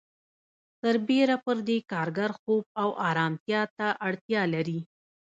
سربېره پر دې کارګر خوب او آرامتیا ته اړتیا لري